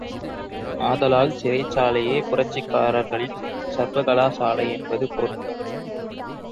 ஆதலால் சிறைச்சாலையே புரட்சிக்காரர்களின் சர்வகலாசாலை என்பது பொருந்தும்.